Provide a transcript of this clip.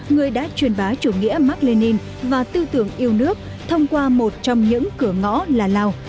người đã truyền bá chủ nghĩa mạc lê ninh và tư tưởng yêu nước thông qua một trong những cửa ngõ là lào